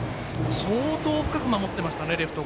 相当深く守っていましたねレフト。